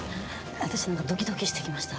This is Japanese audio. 私何かドキドキして来ました。